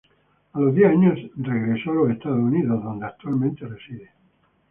A los diez años se regresó a los Estados Unidos, donde actualmente reside.